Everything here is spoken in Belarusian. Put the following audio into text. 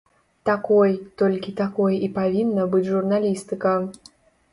Такой, толькі такой і павінна быць журналістыка.